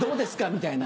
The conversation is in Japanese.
みたいな。